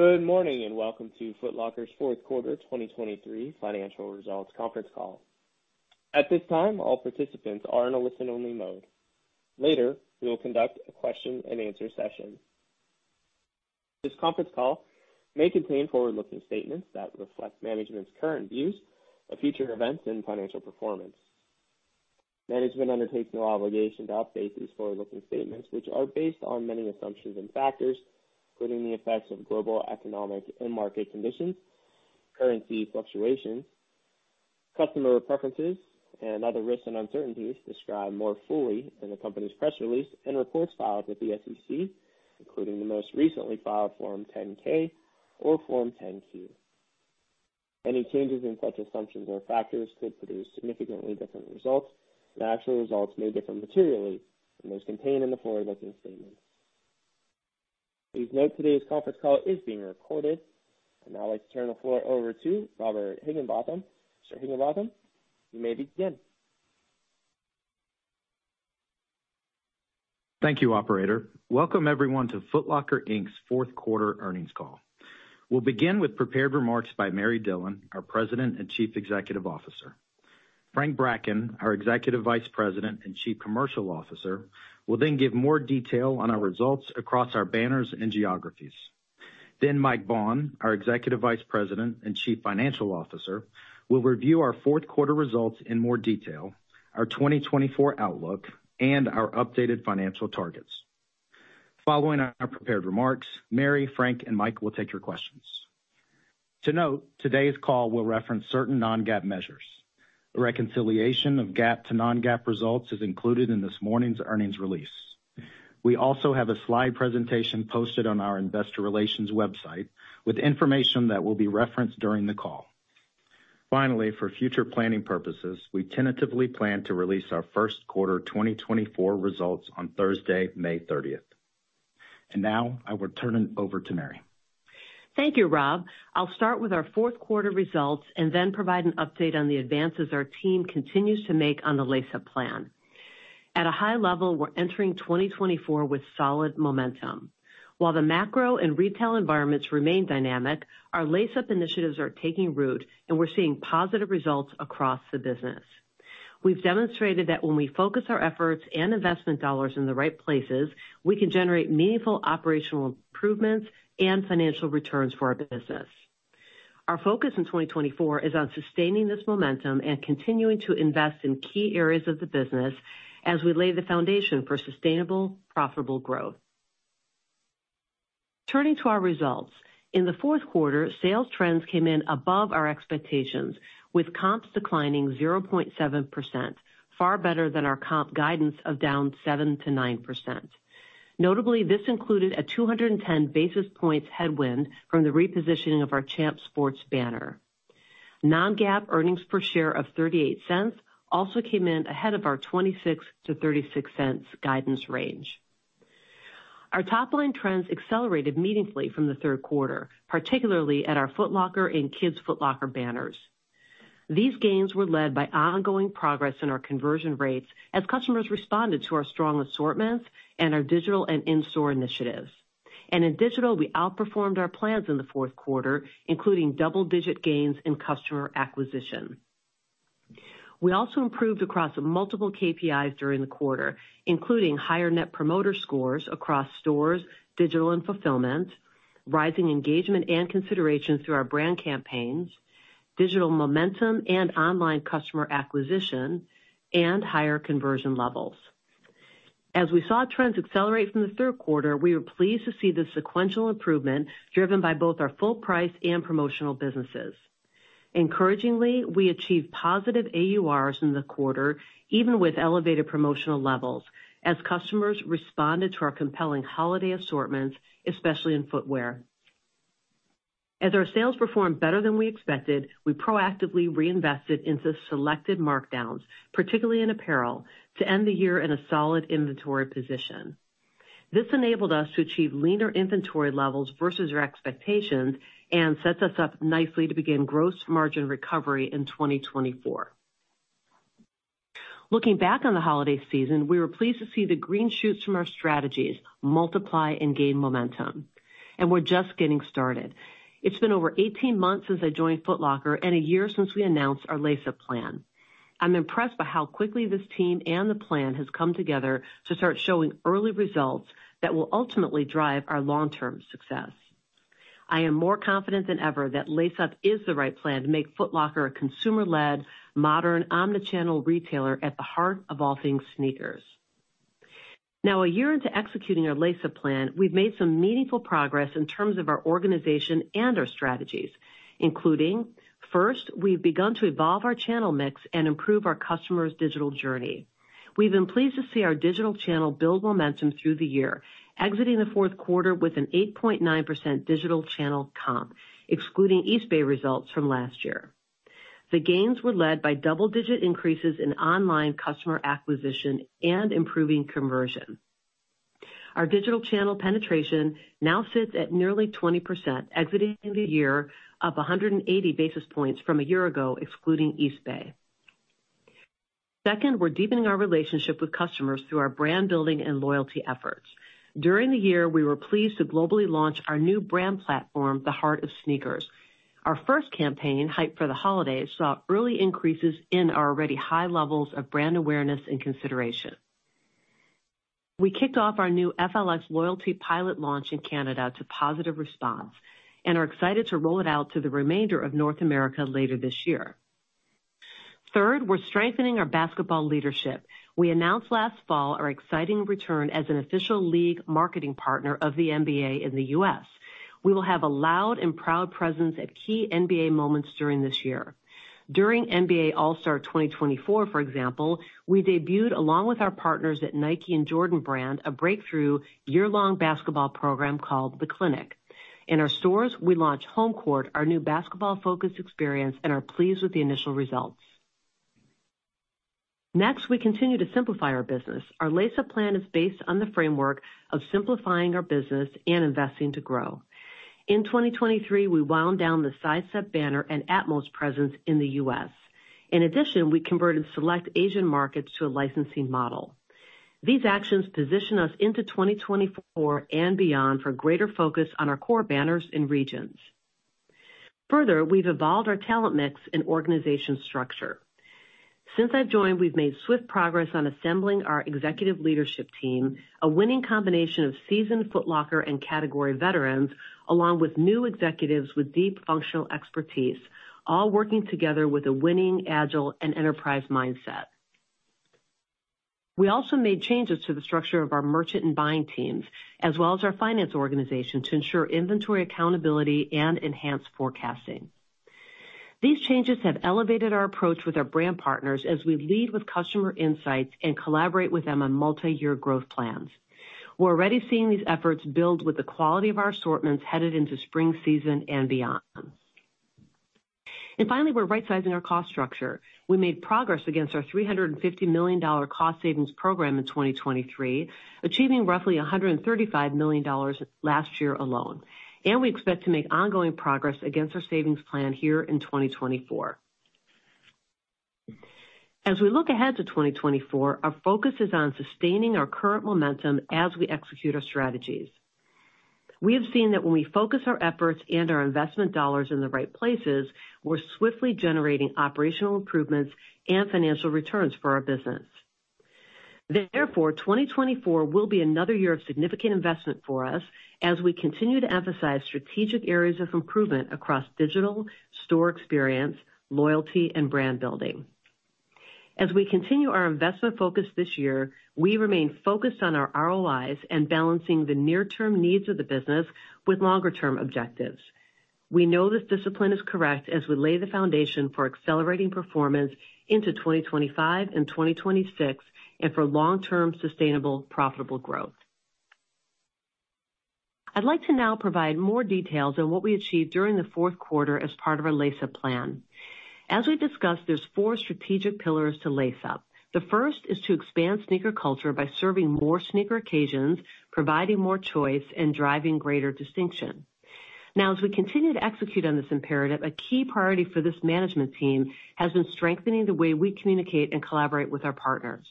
Good morning and welcome to Foot Locker's fourth quarter 2023 financial results conference call. At this time, all participants are in a listen-only mode. Later, we will conduct a question-and-answer session. This conference call may contain forward-looking statements that reflect management's current views of future events and financial performance. Management undertakes no obligation to update these forward-looking statements, which are based on many assumptions and factors, including the effects of global economic and market conditions, currency fluctuations, customer preferences, and other risks and uncertainties described more fully in the company's press release and reports filed with the SEC, including the most recently filed Form 10-K or Form 10-Q. Any changes in such assumptions or factors could produce significantly different results, and actual results may differ materially from those contained in the forward-looking statements. Please note today's conference call is being recorded. Now I'd like to turn the floor over to Robert Higginbotham. Mr. Higginbotham, you may begin. Thank you, Operator. Welcome everyone to Foot Locker, Inc.'s fourth quarter earnings call. We'll begin with prepared remarks by Mary Dillon, our President and Chief Executive Officer. Frank Bracken, our Executive Vice President and Chief Commercial Officer, will then give more detail on our results across our banners and geographies. Then Mike Baughn, our Executive Vice President and Chief Financial Officer, will review our fourth quarter results in more detail, our 2024 outlook, and our updated financial targets. Following our prepared remarks, Mary, Frank, and Mike will take your questions. To note, today's call will reference certain non-GAAP measures. A reconciliation of GAAP to non-GAAP results is included in this morning's earnings release. We also have a slide presentation posted on our investor relations website with information that will be referenced during the call. Finally, for future planning purposes, we tentatively plan to release our first quarter 2024 results on Thursday, May 30th. And now I would turn it over to Mary. Thank you, Rob. I'll start with our fourth quarter results and then provide an update on the advances our team continues to make on the Lace Up plan. At a high level, we're entering 2024 with solid momentum. While the macro and retail environments remain dynamic, our Lace Up initiatives are taking root, and we're seeing positive results across the business. We've demonstrated that when we focus our efforts and investment dollars in the right places, we can generate meaningful operational improvements and financial returns for our business. Our focus in 2024 is on sustaining this momentum and continuing to invest in key areas of the business as we lay the foundation for sustainable, profitable growth. Turning to our results. In the fourth quarter, sales trends came in above our expectations, with comps declining 0.7%, far better than our comp guidance of down 7%-9%. Notably, this included a 210 basis points headwind from the repositioning of our Champs Sports banner. Non-GAAP earnings per share of $0.38 also came in ahead of our $0.26-$0.36 guidance range. Our top-line trends accelerated meaningfully from the third quarter, particularly at our Foot Locker and Kids Foot Locker banners. These gains were led by ongoing progress in our conversion rates as customers responded to our strong assortments and our digital and in-store initiatives. In digital, we outperformed our plans in the fourth quarter, including double-digit gains in customer acquisition. We also improved across multiple KPIs during the quarter, including higher net promoter scores across stores, digital and fulfillment, rising engagement and consideration through our brand campaigns, digital momentum and online customer acquisition, and higher conversion levels. As we saw trends accelerate from the third quarter, we were pleased to see this sequential improvement driven by both our full-price and promotional businesses. Encouragingly, we achieved positive AURs in the quarter, even with elevated promotional levels, as customers responded to our compelling holiday assortments, especially in footwear. As our sales performed better than we expected, we proactively reinvested into selected markdowns, particularly in apparel, to end the year in a solid inventory position. This enabled us to achieve leaner inventory levels versus our expectations and sets us up nicely to begin gross margin recovery in 2024. Looking back on the holiday season, we were pleased to see the green shoots from our strategies multiply and gain momentum. We're just getting started. It's been over 18 months since I joined Foot Locker and a year since we announced our Lace Up plan. I'm impressed by how quickly this team and the plan has come together to start showing early results that will ultimately drive our long-term success. I am more confident than ever that Lace Up is the right plan to make Foot Locker a consumer-led, modern, omnichannel retailer at the heart of all things sneakers. Now, a year into executing our Lace Up plan, we've made some meaningful progress in terms of our organization and our strategies, including, first, we've begun to evolve our channel mix and improve our customer's digital journey. We've been pleased to see our digital channel build momentum through the year, exiting the fourth quarter with an 8.9% digital channel comp, excluding Eastbay results from last year. The gains were led by double-digit increases in online customer acquisition and improving conversion. Our digital channel penetration now sits at nearly 20%, exiting the year up 180 basis points from a year ago, excluding Eastbay. Second, we're deepening our relationship with customers through our brand building and loyalty efforts. During the year, we were pleased to globally launch our new brand platform, the Heart of Sneakers. Our first campaign, Hype for the Holidays, saw early increases in our already high levels of brand awareness and consideration. We kicked off our new FLX loyalty pilot launch in Canada to positive response, and are excited to roll it out to the remainder of North America later this year. Third, we're strengthening our basketball leadership. We announced last fall our exciting return as an official league marketing partner of the NBA in the U.S. We will have a loud and proud presence at key NBA moments during this year. During NBA All-Star 2024, for example, we debuted, along with our partners at Nike and Jordan Brand, a breakthrough year-long basketball program called The Clinic. In our stores, we launched Home Court, our new basketball-focused experience, and are pleased with the initial results. Next, we continue to simplify our business. Our Lace Up plan is based on the framework of simplifying our business and investing to grow. In 2023, we wound down the Sidestep banner and Atmos presence in the U.S. In addition, we converted select Asian markets to a licensing model. These actions position us into 2024 and beyond for greater focus on our core banners and regions. Further, we've evolved our talent mix and organization structure. Since I've joined, we've made swift progress on assembling our executive leadership team, a winning combination of seasoned Foot Locker and category veterans, along with new executives with deep functional expertise, all working together with a winning, agile, and enterprise mindset. We also made changes to the structure of our merchant and buying teams, as well as our finance organization, to ensure inventory accountability and enhance forecasting. These changes have elevated our approach with our brand partners as we lead with customer insights and collaborate with them on multi-year growth plans. We're already seeing these efforts build with the quality of our assortments headed into spring season and beyond. Finally, we're right-sizing our cost structure. We made progress against our $350 million cost savings program in 2023, achieving roughly $135 million last year alone. We expect to make ongoing progress against our savings plan here in 2024. As we look ahead to 2024, our focus is on sustaining our current momentum as we execute our strategies. We have seen that when we focus our efforts and our investment dollars in the right places, we're swiftly generating operational improvements and financial returns for our business. Therefore, 2024 will be another year of significant investment for us as we continue to emphasize strategic areas of improvement across digital, store experience, loyalty, and brand building. As we continue our investment focus this year, we remain focused on our ROIs and balancing the near-term needs of the business with longer-term objectives. We know this discipline is correct as we lay the foundation for accelerating performance into 2025 and 2026 and for long-term sustainable, profitable growth. I'd like to now provide more details on what we achieved during the fourth quarter as part of our Lace Up plan. As we've discussed, there are four strategic pillars to Lace Up. The first is to expand sneaker culture by serving more sneaker occasions, providing more choice, and driving greater distinction. Now, as we continue to execute on this imperative, a key priority for this management team has been strengthening the way we communicate and collaborate with our partners.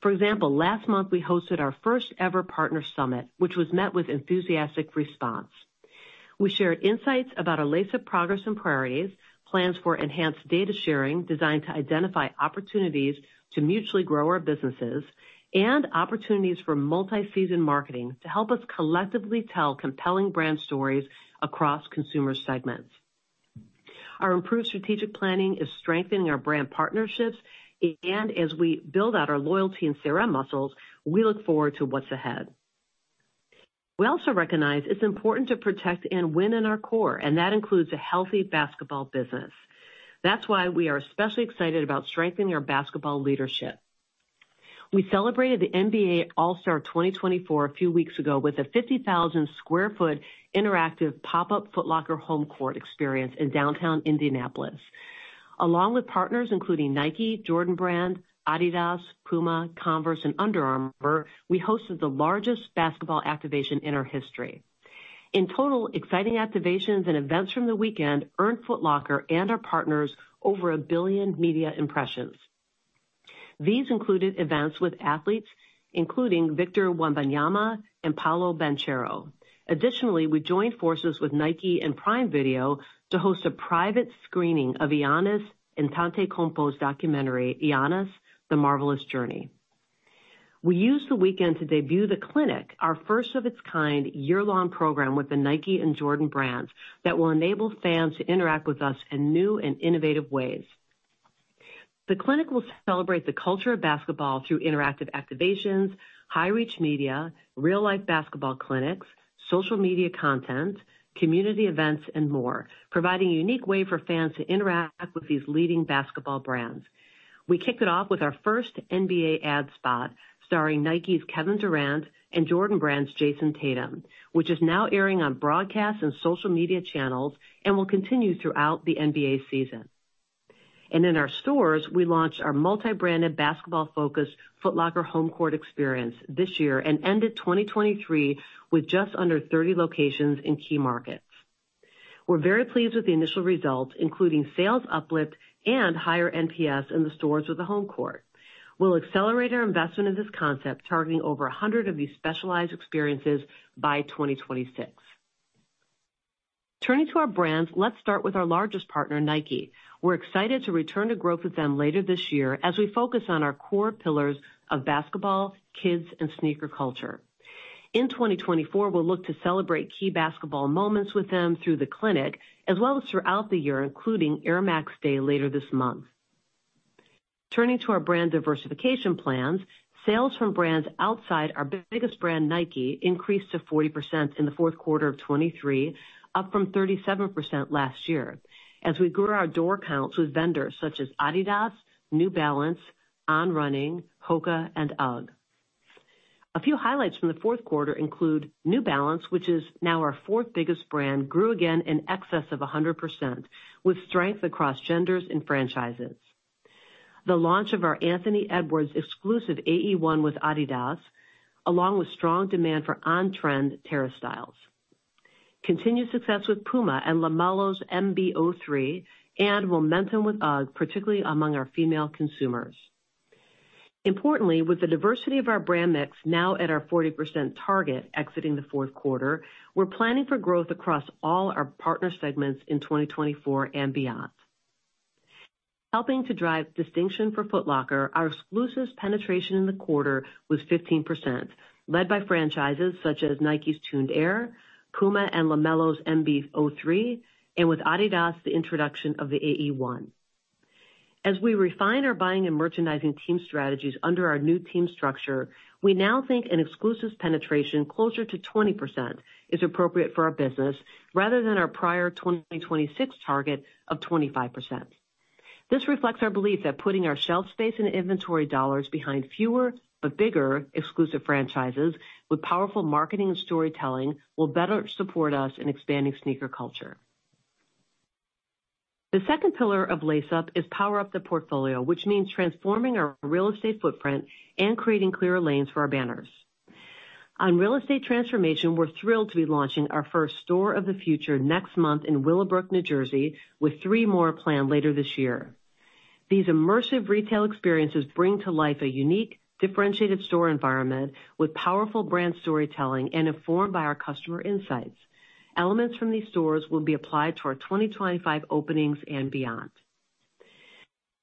For example, last month, we hosted our first-ever partner summit, which was met with enthusiastic response. We shared insights about our Lace Up progress and priorities, plans for enhanced data sharing designed to identify opportunities to mutually grow our businesses, and opportunities for multi-season marketing to help us collectively tell compelling brand stories across consumer segments. Our improved strategic planning is strengthening our brand partnerships, and as we build out our loyalty and CRM muscles, we look forward to what's ahead. We also recognize it's important to protect and win in our core, and that includes a healthy basketball business. That's why we are especially excited about strengthening our basketball leadership. We celebrated the NBA All-Star 2024 a few weeks ago with a 50,000 sq ft interactive pop-up Foot Locker Home Court experience in downtown Indianapolis. Along with partners including Nike, Jordan Brand, Adidas, Puma, Converse, and Under Armour, we hosted the largest basketball activation in our history. In total, exciting activations and events from the weekend earned Foot Locker and our partners over 1 billion media impressions. These included events with athletes including Victor Wembanyama and Paolo Banchero. Additionally, we joined forces with Nike and Prime Video to host a private screening of Giannis: The Marvelous Journey documentary, Giannis: The Marvelous Journey. We used the weekend to debut The Clinic, our first of its kind year-long program with the Nike and Jordan brands that will enable fans to interact with us in new and innovative ways. The Clinic will celebrate the culture of basketball through interactive activations, high-reach media, real-life basketball clinics, social media content, community events, and more, providing a unique way for fans to interact with these leading basketball brands. We kicked it off with our first NBA ad spot starring Nike's Kevin Durant and Jordan Brand's Jayson Tatum, which is now airing on broadcast and social media channels and will continue throughout the NBA season. In our stores, we launched our multi-branded basketball-focused Foot Locker Home Court experience this year and ended 2023 with just under 30 locations in key markets. We're very pleased with the initial results, including sales uplift and higher NPS in the stores with the Home Court. We'll accelerate our investment in this concept, targeting over 100 of these specialized experiences by 2026. Turning to our brands, let's start with our largest partner, Nike. We're excited to return to growth with them later this year as we focus on our core pillars of basketball, kids, and sneaker culture. In 2024, we'll look to celebrate key basketball moments with them through The Clinic as well as throughout the year, including Air Max Day later this month. Turning to our brand diversification plans, sales from brands outside our biggest brand, Nike, increased to 40% in the fourth quarter of 2023, up from 37% last year, as we grew our door counts with vendors such as Adidas, New Balance, On Running, HOKA, and UGG. A few highlights from the fourth quarter include New Balance, which is now our fourth biggest brand, grew again in excess of 100% with strength across genders and franchises, the launch of our Anthony Edwards exclusive AE1 with Adidas, along with strong demand for on-trend Terrace styles, continued success with Puma and LaMelo's MB.03, and momentum with UGG, particularly among our female consumers. Importantly, with the diversity of our brand mix now at our 40% target exiting the fourth quarter, we're planning for growth across all our partner segments in 2024 and beyond. Helping to drive distinction for Foot Locker, our exclusive penetration in the quarter was 15%, led by franchises such as Nike's Tuned Air, Puma and LaMelo's MB.03, and with Adidas' the introduction of the AE1. As we refine our buying and merchandising team strategies under our new team structure, we now think an exclusive penetration closer to 20% is appropriate for our business rather than our prior 2026 target of 25%. This reflects our belief that putting our shelf space and inventory dollars behind fewer but bigger exclusive franchises with powerful marketing and storytelling will better support us in expanding sneaker culture. The second pillar of Lace Up is Power Up the Portfolio, which means transforming our real estate footprint and creating clearer lanes for our banners. On real estate transformation, we're thrilled to be launching our first Store of the Future next month in Willowbrook, New Jersey, with three more planned later this year. These immersive retail experiences bring to life a unique, differentiated store environment with powerful brand storytelling and informed by our customer insights. Elements from these stores will be applied to our 2025 openings and beyond.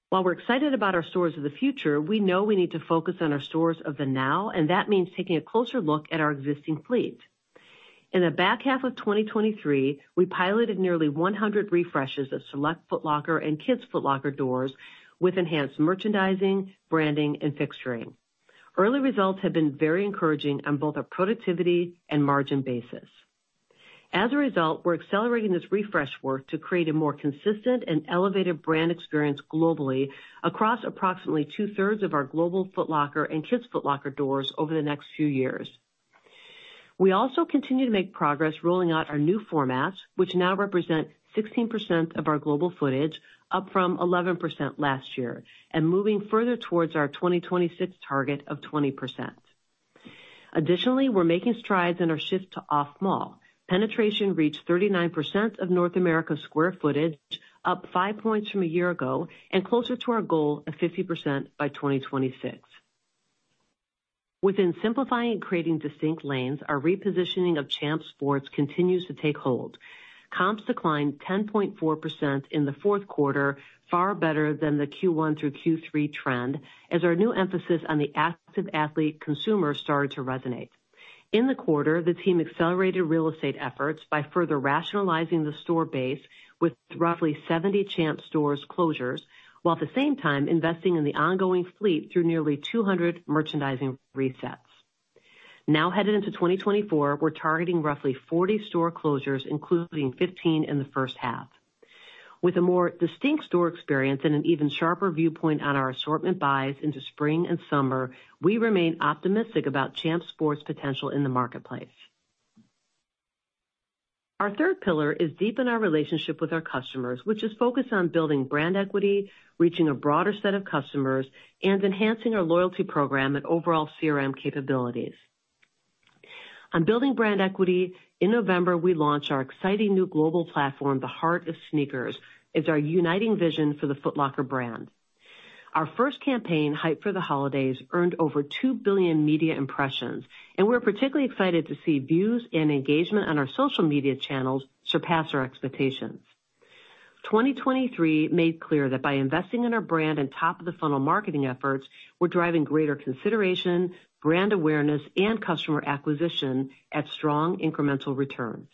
While we're excited about our stores of the future, we know we need to focus on our stores of the now, and that means taking a closer look at our existing fleet. In the back half of 2023, we piloted nearly 100 refreshes of select Foot Locker and Kids Foot Locker doors with enhanced merchandising, branding, and fixturing. Early results have been very encouraging on both a productivity and margin basis. As a result, we're accelerating this refresh work to create a more consistent and elevated brand experience globally across approximately two-thirds of our global Foot Locker and Kids Foot Locker doors over the next few years. We also continue to make progress rolling out our new formats, which now represent 16% of our global footprint, up from 11% last year, and moving further towards our 2026 target of 20%. Additionally, we're making strides in our shift to off-mall. Penetration reached 39% of North America's square footage, up five points from a year ago, and closer to our goal of 50% by 2026. Within simplifying and creating distinct lanes, our repositioning of Champs Sports continues to take hold. Comps declined 10.4% in the fourth quarter, far better than the Q1 through Q3 trend, as our new emphasis on the active athlete consumer started to resonate. In the quarter, the team accelerated real estate efforts by further rationalizing the store base with roughly 70 Champs Stores closures, while at the same time investing in the ongoing fleet through nearly 200 merchandising resets. Now headed into 2024, we're targeting roughly 40 store closures, including 15 in the first half. With a more distinct store experience and an even sharper viewpoint on our assortment buys into spring and summer, we remain optimistic about Champs Sports' potential in the marketplace. Our third pillar is deepen our relationship with our customers, which is focused on building brand equity, reaching a broader set of customers, and enhancing our loyalty program and overall CRM capabilities. On building brand equity, in November, we launch our exciting new global platform, The Heart of Sneakers, as our uniting vision for the Foot Locker brand. Our first campaign, Hype for the Holidays, earned over 2 billion media impressions, and we're particularly excited to see views and engagement on our social media channels surpass our expectations. 2023 made clear that by investing in our brand and top-of-the-funnel marketing efforts, we're driving greater consideration, brand awareness, and customer acquisition at strong, incremental returns.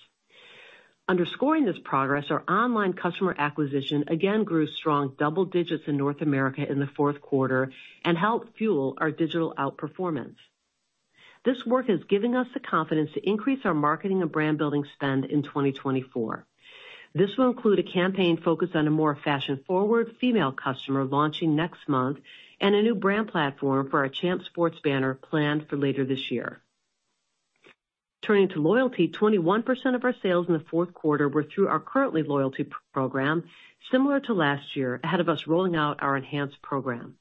Underscoring this progress, our online customer acquisition again grew strong double digits in North America in the fourth quarter and helped fuel our digital outperformance. This work is giving us the confidence to increase our marketing and brand-building spend in 2024. This will include a campaign focused on a more fashion-forward female customer launching next month and a new brand platform for our Champs Sports banner planned for later this year. Turning to loyalty, 21% of our sales in the fourth quarter were through our current loyalty program, similar to last year, ahead of us rolling out our enhanced program.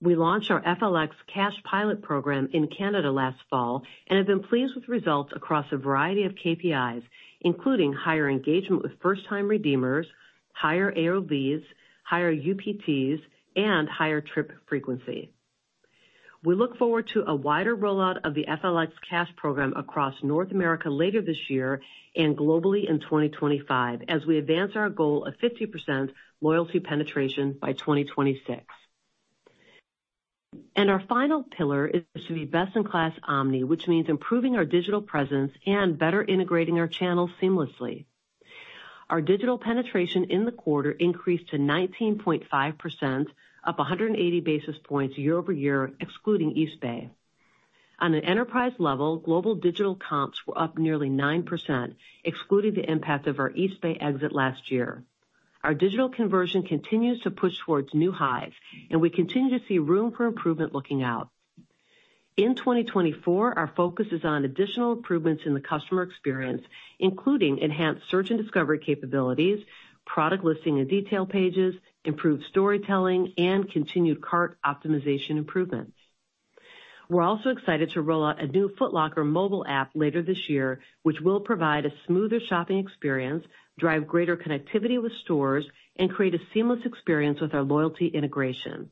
We launched our FLX Cash Pilot program in Canada last fall and have been pleased with results across a variety of KPIs, including higher engagement with first-time redeemers, higher AOVs, higher UPTs, and higher trip frequency. We look forward to a wider rollout of the FLX Cash Program across North America later this year and globally in 2025 as we advance our goal of 50% loyalty penetration by 2026. Our final pillar is to be best-in-class omni, which means improving our digital presence and better integrating our channels seamlessly. Our digital penetration in the quarter increased to 19.5%, up 180 basis points year-over-year, excluding Eastbay. On an enterprise level, global digital comps were up nearly 9%, excluding the impact of our Eastbay exit last year. Our digital conversion continues to push towards new highs, and we continue to see room for improvement looking out. In 2024, our focus is on additional improvements in the customer experience, including enhanced search and discovery capabilities, product listing and detail pages, improved storytelling, and continued cart optimization improvements. We're also excited to roll out a new Foot Locker mobile app later this year, which will provide a smoother shopping experience, drive greater connectivity with stores, and create a seamless experience with our loyalty integration.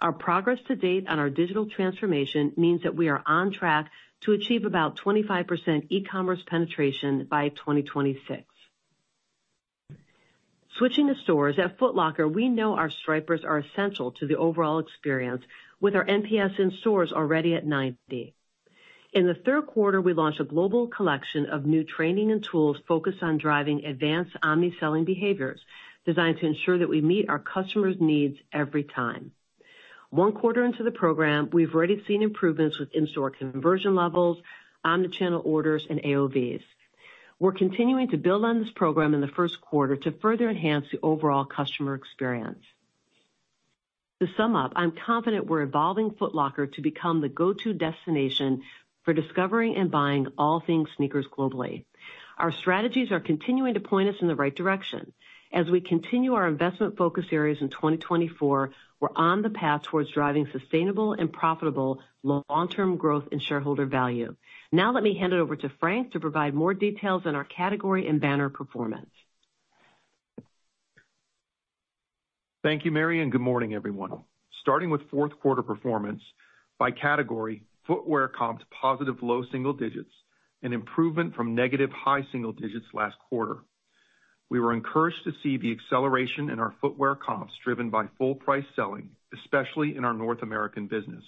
Our progress to date on our digital transformation means that we are on track to achieve about 25% e-commerce penetration by 2026. Switching to stores, at Foot Locker, we know our associates are essential to the overall experience, with our NPS in stores already at 90. In the third quarter, we launch a global collection of new training and tools focused on driving advanced omni-selling behaviors designed to ensure that we meet our customers' needs every time. One quarter into the program, we've already seen improvements with in-store conversion levels, omni-channel orders, and AOVs. We're continuing to build on this program in the first quarter to further enhance the overall customer experience. To sum up, I'm confident we're evolving Foot Locker to become the go-to destination for discovering and buying all things sneakers globally. Our strategies are continuing to point us in the right direction. As we continue our investment focus areas in 2024, we're on the path towards driving sustainable and profitable long-term growth and shareholder value. Now let me hand it over to Frank to provide more details on our category and banner performance. Thank you, Mary, and good morning, everyone. Starting with fourth quarter performance, by category, footwear comps positive low single digits and improvement from negative high single digits last quarter. We were encouraged to see the acceleration in our footwear comps driven by full-price selling, especially in our North American business.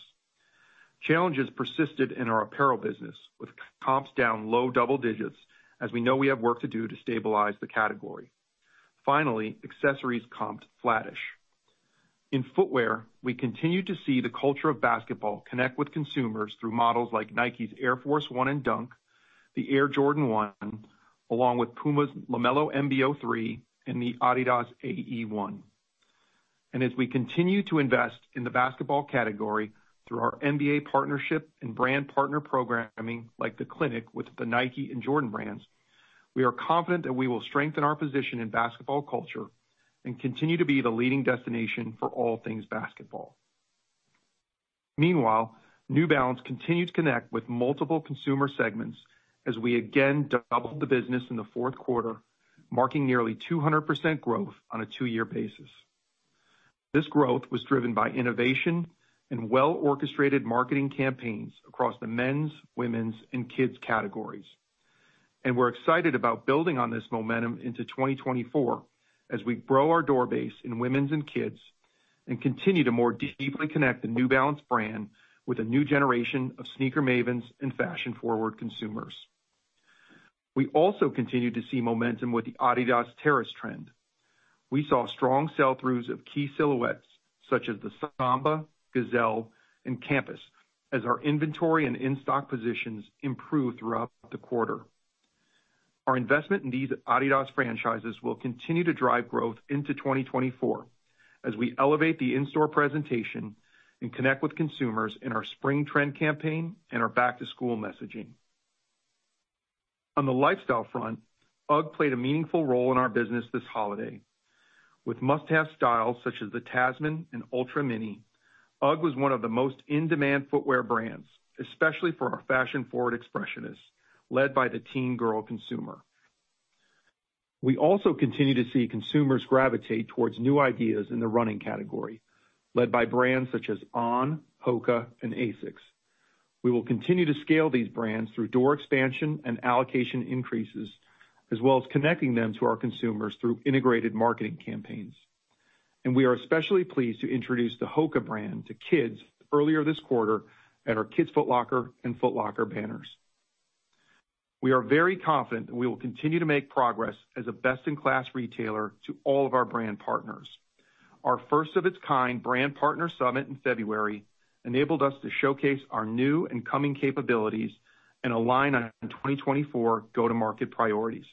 Challenges persisted in our apparel business, with comps down low double digits as we know we have work to do to stabilize the category. Finally, accessories comped flattish. In footwear, we continue to see the culture of basketball connect with consumers through models like Nike's Air Force 1 and Dunk, the Air Jordan 1, along with Puma's LaMelo MB.03 and the Adidas AE 1. As we continue to invest in the basketball category through our NBA partnership and brand partner programming like The Clinic with the Nike and Jordan brands, we are confident that we will strengthen our position in basketball culture and continue to be the leading destination for all things basketball. Meanwhile, New Balance continued to connect with multiple consumer segments as we again doubled the business in the fourth quarter, marking nearly 200% growth on a two-year basis. This growth was driven by innovation and well-orchestrated marketing campaigns across the men's, women's, and kids categories. We're excited about building on this momentum into 2024 as we grow our door base in women's and kids and continue to more deeply connect the New Balance brand with a new generation of sneaker mavens and fashion-forward consumers. We also continue to see momentum with the Adidas Terrace trend. We saw strong sell-throughs of key silhouettes such as the Samba, Gazelle, and Campus as our inventory and in-stock positions improved throughout the quarter. Our investment in these Adidas franchises will continue to drive growth into 2024 as we elevate the in-store presentation and connect with consumers in our spring trend campaign and our back-to-school messaging. On the lifestyle front, UGG played a meaningful role in our business this holiday. With must-have styles such as the Tasman and Ultra Mini, UGG was one of the most in-demand footwear brands, especially for our fashion-forward expressionists, led by the teen girl consumer. We also continue to see consumers gravitate towards new ideas in the running category, led by brands such as On, HOKA, and Asics. We will continue to scale these brands through door expansion and allocation increases, as well as connecting them to our consumers through integrated marketing campaigns. We are especially pleased to introduce the HOKA brand to kids earlier this quarter at our Kids Foot Locker and Foot Locker banners. We are very confident that we will continue to make progress as a best-in-class retailer to all of our brand partners. Our first-of-its-kind brand partner summit in February enabled us to showcase our new and coming capabilities and align on 2024 go-to-market priorities.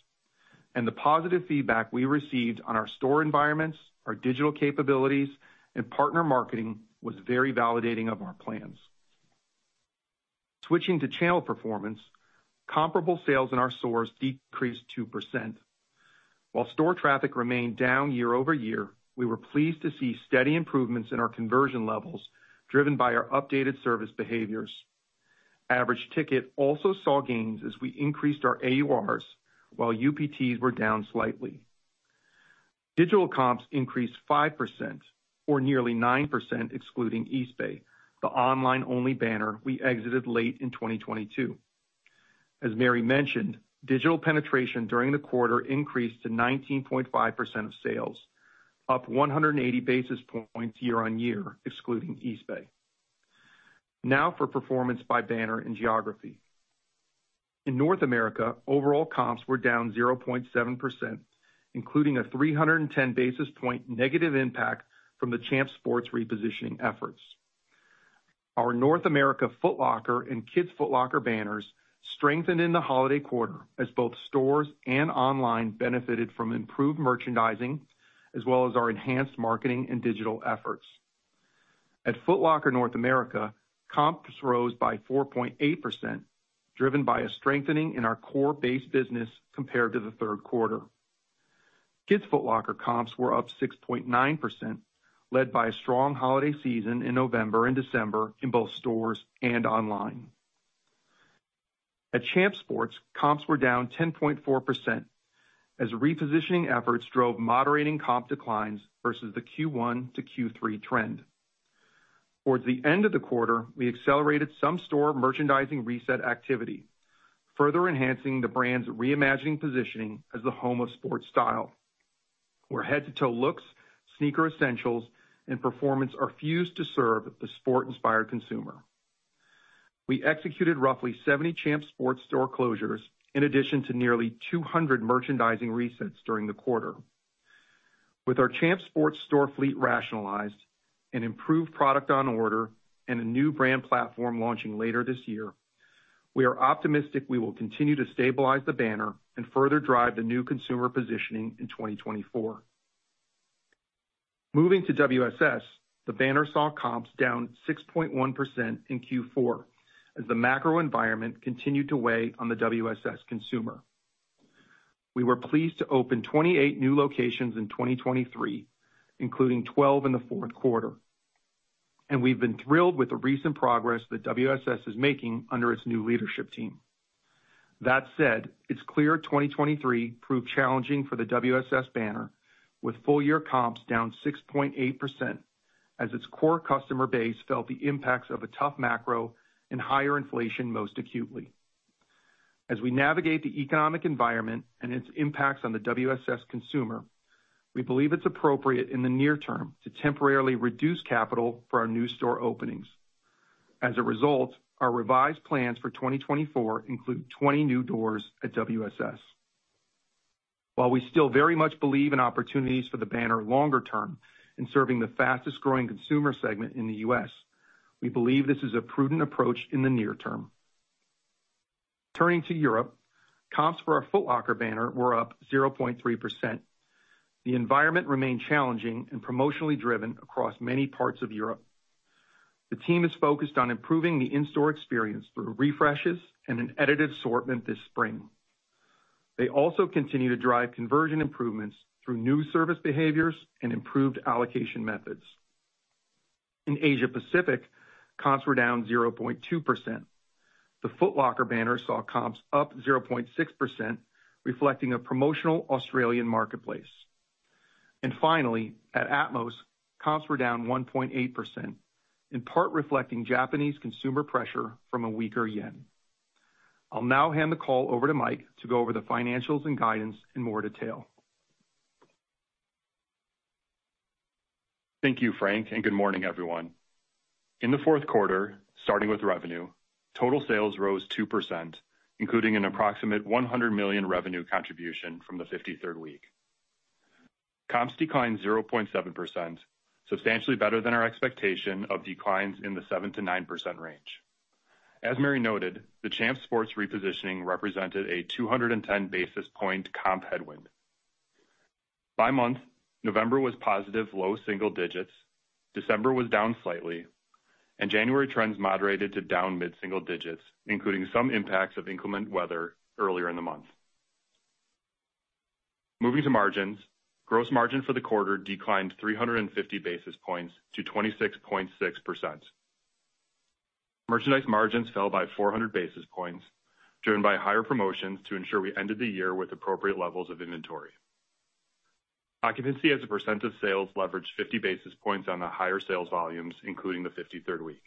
The positive feedback we received on our store environments, our digital capabilities, and partner marketing was very validating of our plans. Switching to channel performance, comparable sales in our stores decreased 2%. While store traffic remained down year-over-year, we were pleased to see steady improvements in our conversion levels driven by our updated service behaviors. Average ticket also saw gains as we increased our AURs, while UPTs were down slightly. Digital comps increased 5%, or nearly 9%, excluding Eastbay, the online-only banner we exited late in 2022. As Mary mentioned, digital penetration during the quarter increased to 19.5% of sales, up 180 basis points year-over-year, excluding Eastbay. Now for performance by banner and geography. In North America, overall comps were down 0.7%, including a 310 basis point negative impact from the Champs Sports repositioning efforts. Our North America Foot Locker and Kids Foot Locker banners strengthened in the holiday quarter as both stores and online benefited from improved merchandising, as well as our enhanced marketing and digital efforts. At Foot Locker North America, comps rose by 4.8%, driven by a strengthening in our core base business compared to the third quarter. Kids Foot Locker comps were up 6.9%, led by a strong holiday season in November and December in both stores and online. At Champs Sports, comps were down 10.4% as repositioning efforts drove moderating comp declines versus the Q1 to Q3 trend. Towards the end of the quarter, we accelerated some store merchandising reset activity, further enhancing the brand's reimagining positioning as the home of sports style, where head-to-toe looks, sneaker essentials, and performance are fused to serve the sport-inspired consumer. We executed roughly 70 Champs Sports store closures in addition to nearly 200 merchandising resets during the quarter. With our Champs Sports store fleet rationalized, an improved product on order, and a new brand platform launching later this year, we are optimistic we will continue to stabilize the banner and further drive the new consumer positioning in 2024. Moving to WSS, the banner saw comps down 6.1% in Q4 as the macro environment continued to weigh on the WSS consumer. We were pleased to open 28 new locations in 2023, including 12 in the fourth quarter. We've been thrilled with the recent progress that WSS is making under its new leadership team. That said, it's clear 2023 proved challenging for the WSS banner, with full-year comps down 6.8% as its core customer base felt the impacts of a tough macro and higher inflation most acutely. As we navigate the economic environment and its impacts on the WSS consumer, we believe it's appropriate in the near term to temporarily reduce capital for our new store openings. As a result, our revised plans for 2024 include 20 new doors at WSS. While we still very much believe in opportunities for the banner longer term in serving the fastest-growing consumer segment in the U.S., we believe this is a prudent approach in the near term. Turning to Europe, comps for our Foot Locker banner were up 0.3%. The environment remained challenging and promotionally driven across many parts of Europe. The team is focused on improving the in-store experience through refreshes and an edited assortment this spring. They also continue to drive conversion improvements through new service behaviors and improved allocation methods. In Asia-Pacific, comps were down 0.2%. The Foot Locker banner saw comps up 0.6%, reflecting a promotional Australian marketplace. And finally, at Atmos, comps were down 1.8%, in part reflecting Japanese consumer pressure from a weaker yen. I'll now hand the call over to Mike to go over the financials and guidance in more detail. Thank you, Frank, and good morning, everyone. In the fourth quarter, starting with revenue, total sales rose 2%, including an approximate $100 million revenue contribution from the 53rd week. Comps declined 0.7%, substantially better than our expectation of declines in the 7%-9% range. As Mary noted, the Champs Sports repositioning represented a 210 basis points comp headwind. By month, November was positive low single digits, December was down slightly, and January trends moderated to down mid-single digits, including some impacts of inclement weather earlier in the month. Moving to margins, gross margin for the quarter declined 350 basis points to 26.6%. Merchandise margins fell by 400 basis points, driven by higher promotions to ensure we ended the year with appropriate levels of inventory. Occupancy as a percent of sales leveraged 50 basis points on the higher sales volumes, including the 53rd week.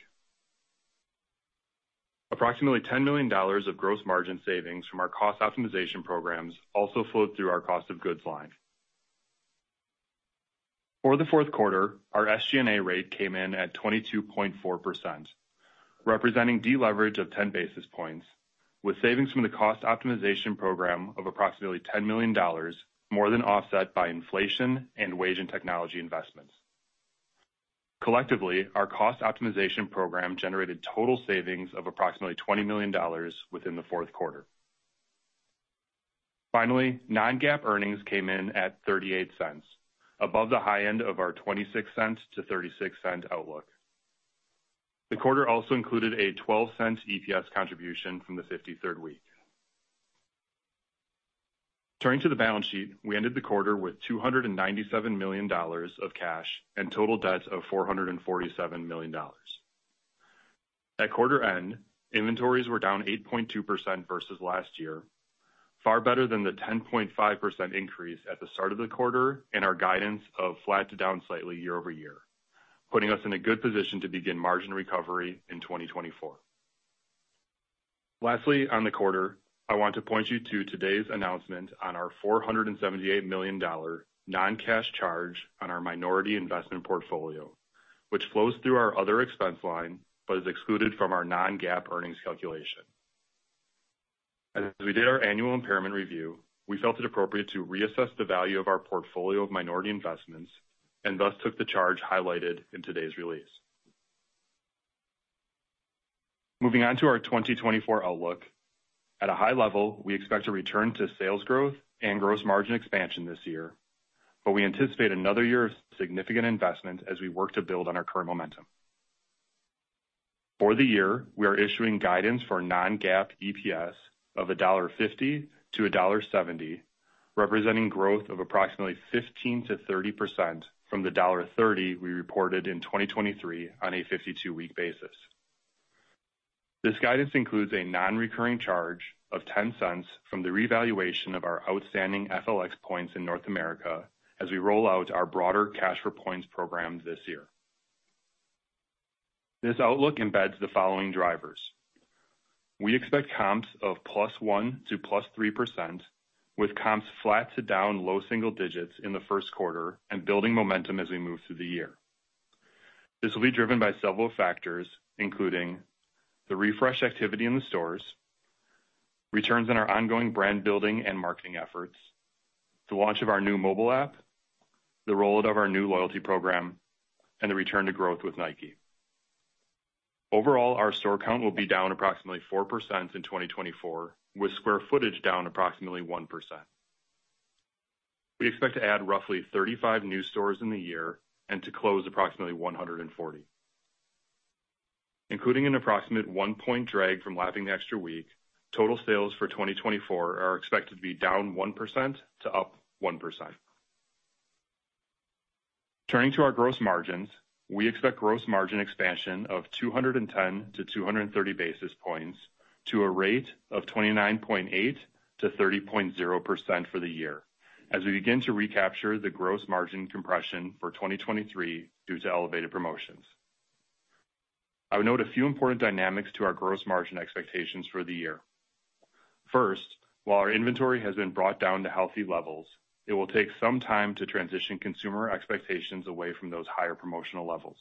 Approximately $10 million of gross margin savings from our cost optimization programs also flowed through our cost of goods line. For the fourth quarter, our SG&A rate came in at 22.4%, representing deleverage of 10 basis points, with savings from the cost optimization program of approximately $10 million more than offset by inflation and wage and technology investments. Collectively, our cost optimization program generated total savings of approximately $20 million within the fourth quarter. Finally, non-GAAP earnings came in at $0.38, above the high end of our $0.26-$0.36 outlook. The quarter also included a $0.12 EPS contribution from the 53rd week. Turning to the balance sheet, we ended the quarter with $297 million of cash and total debt of $447 million. At quarter end, inventories were down 8.2% versus last year, far better than the 10.5% increase at the start of the quarter and our guidance of flat to down slightly year over year, putting us in a good position to begin margin recovery in 2024. Lastly, on the quarter, I want to point you to today's announcement on our $478 million non-cash charge on our minority investment portfolio, which flows through our other expense line but is excluded from our Non-GAAP earnings calculation. As we did our annual impairment review, we felt it appropriate to reassess the value of our portfolio of minority investments and thus took the charge highlighted in today's release. Moving on to our 2024 outlook, at a high level, we expect to return to sales growth and gross margin expansion this year, but we anticipate another year of significant investment as we work to build on our current momentum. For the year, we are issuing guidance for non-GAAP EPS of $1.50-$1.70, representing growth of approximately 15%-30% from the $1.30 we reported in 2023 on a 52-week basis. This guidance includes a non-recurring charge of $0.10 from the revaluation of our outstanding FLX points in North America as we roll out our broader cash-for-points program this year. This outlook embeds the following drivers. We expect comps of +1% to +3%, with comps flat to down low single digits in the first quarter and building momentum as we move through the year. This will be driven by several factors, including the refresh activity in the stores, returns in our ongoing brand building and marketing efforts, the launch of our new mobile app, the roll-out of our new loyalty program, and the return to growth with Nike. Overall, our store count will be down approximately 4% in 2024, with square footage down approximately 1%. We expect to add roughly 35 new stores in the year and to close approximately 140. Including an approximate 1-point drag from lapping the extra week, total sales for 2024 are expected to be down 1% to up 1%. Turning to our gross margins, we expect gross margin expansion of 210-230 basis points to a rate of 29.8%-30.0% for the year as we begin to recapture the gross margin compression for 2023 due to elevated promotions. I would note a few important dynamics to our gross margin expectations for the year. First, while our inventory has been brought down to healthy levels, it will take some time to transition consumer expectations away from those higher promotional levels.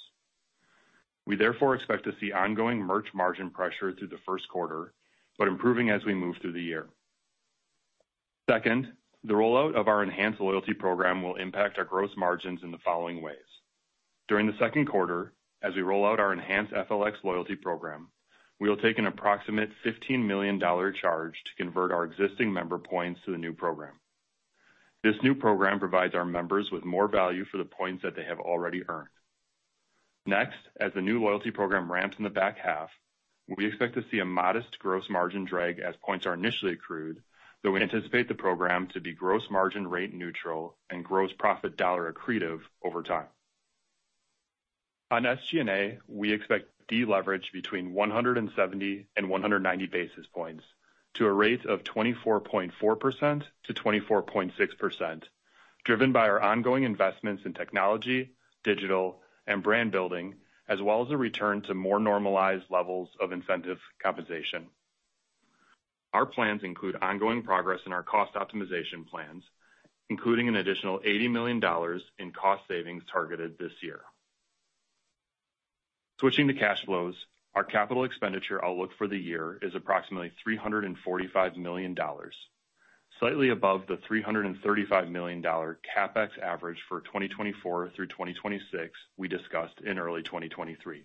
We therefore expect to see ongoing merch margin pressure through the first quarter, but improving as we move through the year. Second, the rollout of our enhanced loyalty program will impact our gross margins in the following ways. During the second quarter, as we roll out our enhanced FLX loyalty program, we will take an approximate $15 million charge to convert our existing member points to the new program. This new program provides our members with more value for the points that they have already earned. Next, as the new loyalty program ramps in the back half, we expect to see a modest gross margin drag as points are initially accrued, though we anticipate the program to be gross margin rate neutral and gross profit dollar accretive over time. On SG&A, we expect deleverage between 170 and 190 basis points to a rate of 24.4%-24.6%, driven by our ongoing investments in technology, digital, and brand building, as well as a return to more normalized levels of incentive compensation. Our plans include ongoing progress in our cost optimization plans, including an additional $80 million in cost savings targeted this year. Switching to cash flows, our capital expenditure outlook for the year is approximately $345 million, slightly above the $335 million CAPEX average for 2024 through 2026 we discussed in early 2023.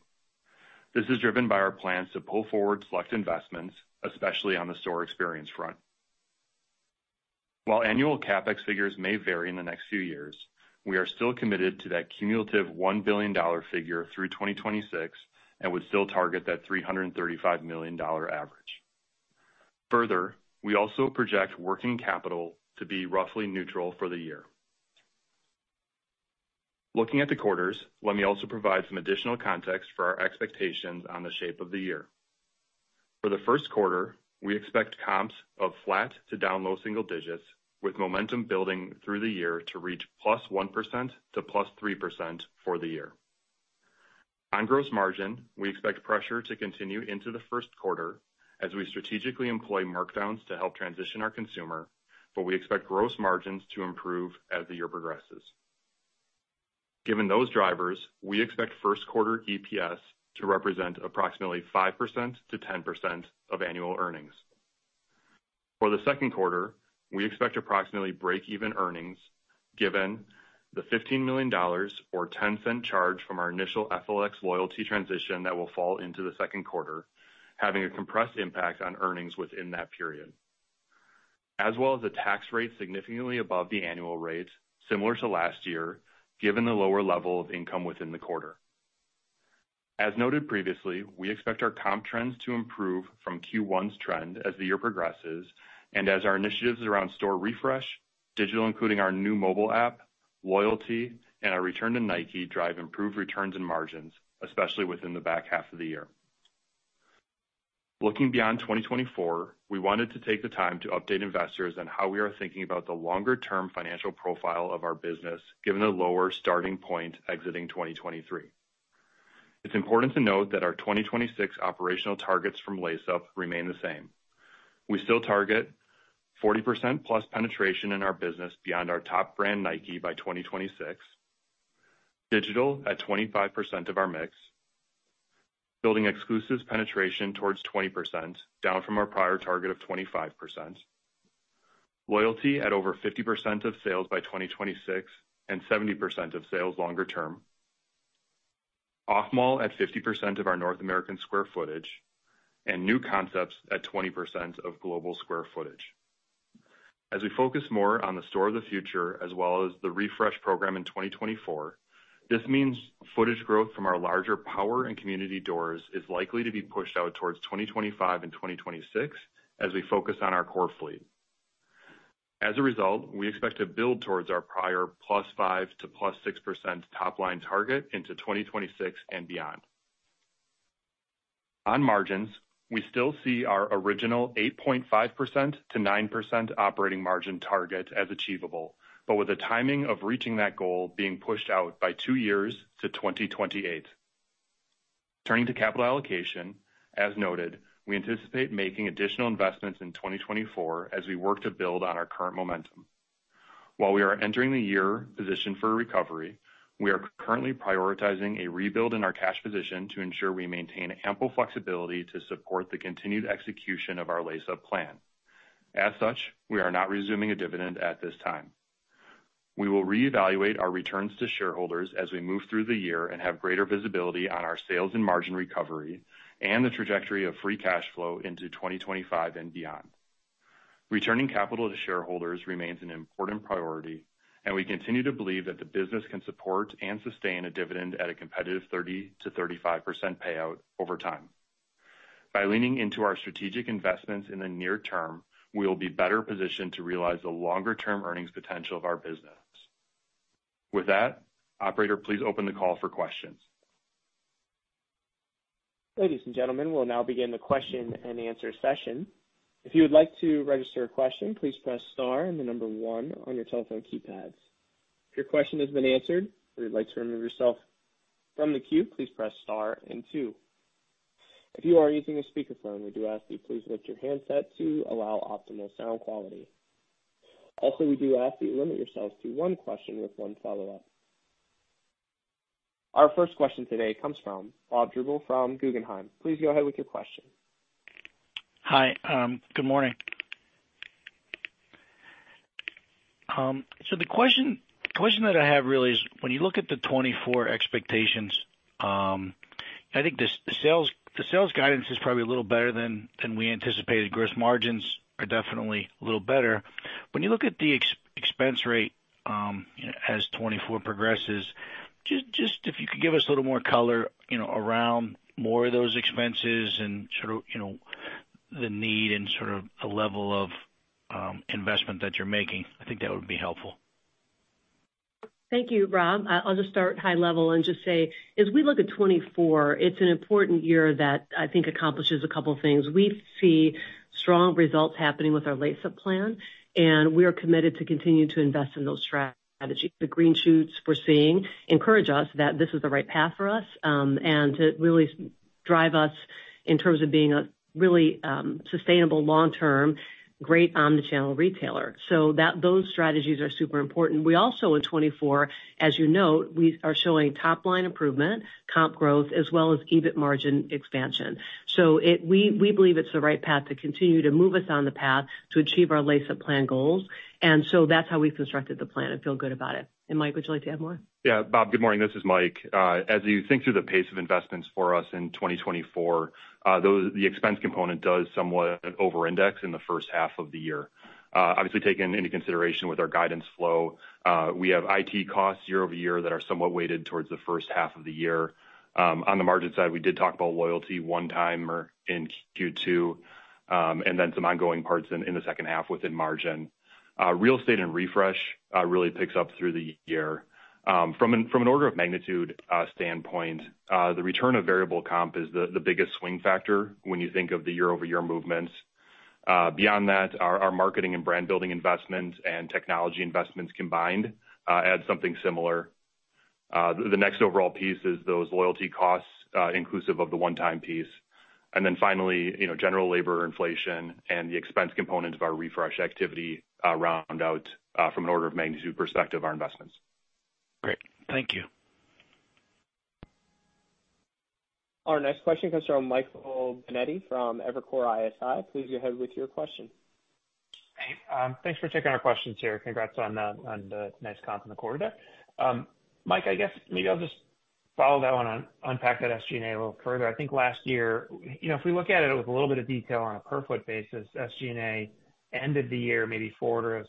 This is driven by our plans to pull forward select investments, especially on the store experience front. While annual CAPEX figures may vary in the next few years, we are still committed to that cumulative $1 billion figure through 2026 and would still target that $335 million average. Further, we also project working capital to be roughly neutral for the year. Looking at the quarters, let me also provide some additional context for our expectations on the shape of the year. For the first quarter, we expect comps of flat to down low single digits, with momentum building through the year to reach +1% to +3% for the year. On gross margin, we expect pressure to continue into the first quarter as we strategically employ markdowns to help transition our consumer, but we expect gross margins to improve as the year progresses. Given those drivers, we expect first quarter EPS to represent approximately 5%-10% of annual earnings. For the second quarter, we expect approximately break-even earnings, given the $15 million or $0.10 charge from our initial FLX loyalty transition that will fall into the second quarter, having a compressed impact on earnings within that period, as well as a tax rate significantly above the annual rate, similar to last year, given the lower level of income within the quarter. As noted previously, we expect our comp trends to improve from Q1's trend as the year progresses and as our initiatives around store refresh, digital, including our new mobile app, loyalty, and our return to Nike drive improved returns and margins, especially within the back half of the year. Looking beyond 2024, we wanted to take the time to update investors on how we are thinking about the longer-term financial profile of our business given the lower starting point exiting 2023. It's important to note that our 2026 operational targets from Lace Up remain the same. We still target 40%+ penetration in our business beyond our top brand Nike by 2026, digital at 25% of our mix, building exclusive penetration towards 20%, down from our prior target of 25%, loyalty at over 50% of sales by 2026 and 70% of sales longer term, off-mall at 50% of our North American square footage, and new concepts at 20% of global square footage. As we focus more on the Store of the Future as well as the refresh program in 2024, this means footprint growth from our larger power and community doors is likely to be pushed out towards 2025 and 2026 as we focus on our core fleet. As a result, we expect to build towards our prior +5% to +6% top-line target into 2026 and beyond. On margins, we still see our original 8.5%-9% operating margin target as achievable, but with the timing of reaching that goal being pushed out by two years to 2028. Turning to capital allocation, as noted, we anticipate making additional investments in 2024 as we work to build on our current momentum. While we are entering the year positioned for recovery, we are currently prioritizing a rebuild in our cash position to ensure we maintain ample flexibility to support the continued execution of our Lace Up plan. As such, we are not resuming a dividend at this time. We will reevaluate our returns to shareholders as we move through the year and have greater visibility on our sales and margin recovery and the trajectory of free cash flow into 2025 and beyond. Returning capital to shareholders remains an important priority, and we continue to believe that the business can support and sustain a dividend at a competitive 30%-35% payout over time. By leaning into our strategic investments in the near term, we will be better positioned to realize the longer-term earnings potential of our business. With that, operator, please open the call for questions. Ladies and gentlemen, we'll now begin the question and answer session. If you would like to register a question, please press star and the number one on your telephone keypads. If your question has been answered or you'd like to remove yourself from the queue, please press star and two. If you are using a speakerphone, we do ask that you please lift your handset to allow optimal sound quality. Also, we do ask that you limit yourselves to one question with one follow-up. Our first question today comes from Robert from Guggenheim. Please go ahead with your question. Hi. Good morning. So the question that I have really is, when you look at the 2024 expectations, I think the sales guidance is probably a little better than we anticipated. Gross margins are definitely a little better. When you look at the expense rate as 2024 progresses, just if you could give us a little more color around more of those expenses and sort of the need and sort of a level of investment that you're making, I think that would be helpful. Thank you, Rob. I'll just start high-level and just say, as we look at 2024, it's an important year that I think accomplishes a couple of things. We see strong results happening with our Lace Up Plan, and we are committed to continue to invest in those strategies. The green shoots we're seeing encourage us that this is the right path for us and to really drive us in terms of being a really sustainable, long-term, great omnichannel retailer. So, those strategies are super important. We also, in 2024, as you note, are showing top-line improvement, comp growth, as well as EBIT margin expansion. So, we believe it's the right path to continue to move us on the path to achieve our Lace Up plan goals. So that's how we've constructed the plan and feel good about it. Mike, would you like to add more? Yeah. Bob, good morning. This is Mike. As you think through the pace of investments for us in 2024, the expense component does somewhat over-index in the first half of the year. Obviously, taken into consideration with our guidance flow, we have IT costs year-over-year that are somewhat weighted towards the first half of the year. On the margin side, we did talk about loyalty one time in Q2 and then some ongoing parts in the second half within margin. Real estate and refresh really picks up through the year. From an order of magnitude standpoint, the return of variable comp is the biggest swing factor when you think of the year-over-year movements. Beyond that, our marketing and brand-building investments and technology investments combined add something similar. The next overall piece is those loyalty costs inclusive of the one-time piece. And then finally, general labor inflation and the expense component of our refresh activity round out, from an order of magnitude perspective, our investments. Great. Thank you. Our next question comes from Michael Binetti from Evercore ISI. Please go ahead with your question. Hey. Thanks for taking our questions here. Congrats on the nice comp in the quarter there. Mike, I guess maybe I'll just follow that one and unpack that SG&A a little further. I think last year, if we look at it with a little bit of detail on a per-foot basis, SG&A ended the year maybe 4%-6%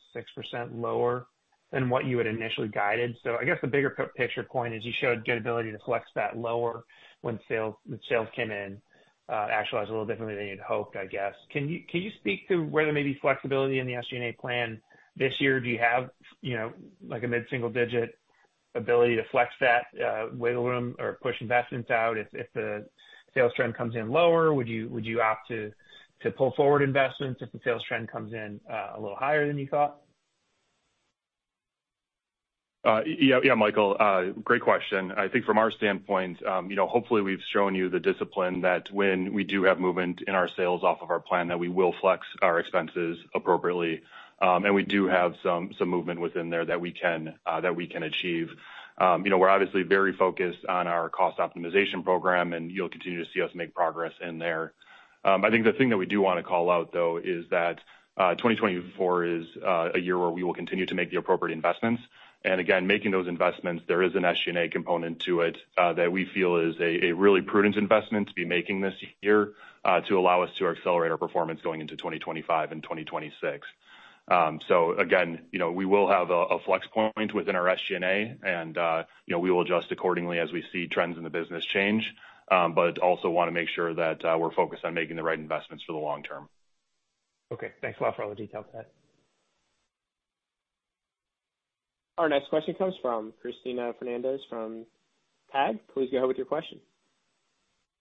lower than what you had initially guided. So, I guess the bigger picture point is you showed good ability to flex that lower when sales came in, actualized a little differently than you'd hoped, I guess. Can you speak to whether maybe flexibility in the SG&A plan this year, do you have a mid-single digit ability to flex that wiggle room or push investments out? If the sales trend comes in lower, would you opt to pull forward investments if the sales trend comes in a little higher than you thought? Yeah, Michael. Great question. I think from our standpoint, hopefully, we've shown you the discipline that when we do have movement in our sales off of our plan, that we will flex our expenses appropriately. We do have some movement within there that we can achieve. We're obviously very focused on our cost optimization program, and you'll continue to see us make progress in there. I think the thing that we do want to call out, though, is that 2024 is a year where we will continue to make the appropriate investments. Again, making those investments, there is an SG&A component to it that we feel is a really prudent investment to be making this year to allow us to accelerate our performance going into 2025 and 2026. So again, we will have a flex point within our SG&A, and we will adjust accordingly as we see trends in the business change, but also want to make sure that we're focused on making the right investments for the long term. Okay. Thanks a lot for all the details today. Our next question comes from Cristina Fernandez from TAG. Please go ahead with your question.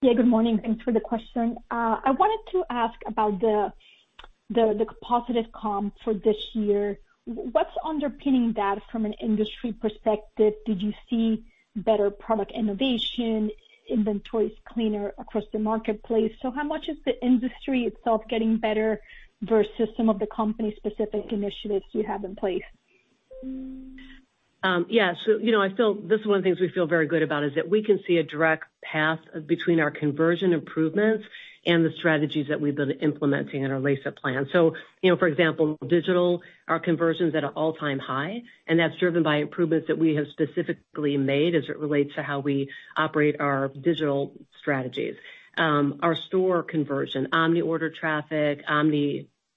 Yeah. Good morning. Thanks for the question. I wanted to ask about the positive comp for this year. What's underpinning that from an industry perspective? Did you see better product innovation, inventories cleaner across the marketplace? So how much is the industry itself getting better versus some of the company-specific initiatives you have in place? Yeah. So, I feel this is one of the things we feel very good about is that we can see a direct path between our conversion improvements and the strategies that we've been implementing in our Lace Up plan. So for example, digital, our conversions at an all-time high, and that's driven by improvements that we have specifically made as it relates to how we operate our digital strategies. Our store conversion, omni-order traffic,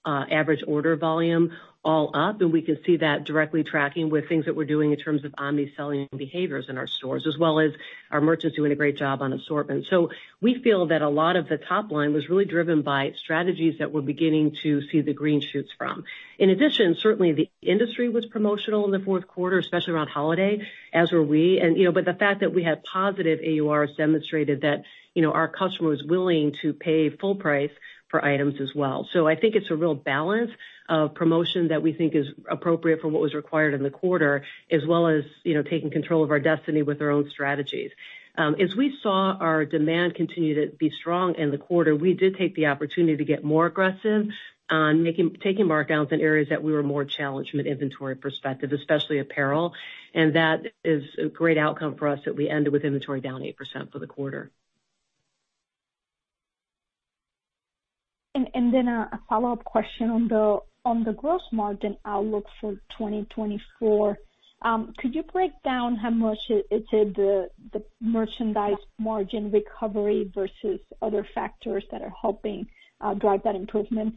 omni-average order volume, all up. And we can see that directly tracking with things that we're doing in terms of omni-selling behaviors in our stores, as well as our merchants doing a great job on assortment. So, we feel that a lot of the top line was really driven by strategies that we're beginning to see the green shoots from. In addition, certainly, the industry was promotional in the fourth quarter, especially around holiday, as were we. But the fact that we had positive AURs demonstrated that our customer was willing to pay full price for items as well. So, I think it's a real balance of promotion that we think is appropriate for what was required in the quarter, as well as taking control of our destiny with our own strategies. As we saw our demand continue to be strong in the quarter, we did take the opportunity to get more aggressive on taking markdowns in areas that we were more challenged from an inventory perspective, especially apparel. And that is a great outcome for us that we ended with inventory down 8% for the quarter. And then a follow-up question on the gross margin outlook for 2024. Could you break down how much it's the merchandise margin recovery versus other factors that are helping drive that improvement?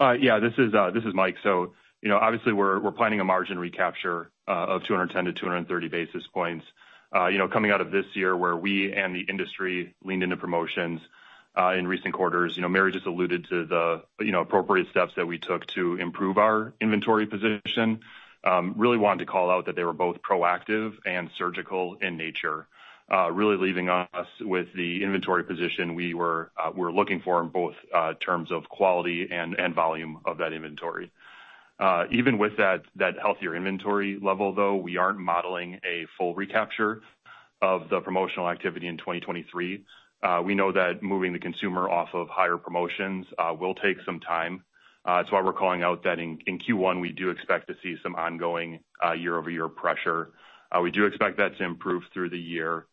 Yeah. This is Mike. Obviously, we're planning a margin recapture of 210-230 basis points. Coming out of this year where we and the industry leaned into promotions in recent quarters, Mary just alluded to the appropriate steps that we took to improve our inventory position. Really wanted to call out that they were both proactive and surgical in nature, really leaving us with the inventory position we were looking for in both terms of quality and volume of that inventory. Even with that healthier inventory level, though, we aren't modeling a full recapture of the promotional activity in 2023. We know that moving the consumer off of higher promotions will take some time. That's why we're calling out that in Q1, we do expect to see some ongoing year-over-year pressure. We do expect that to improve through the year.